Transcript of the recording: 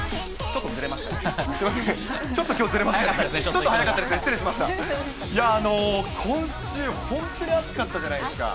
ちょっとずれましたか。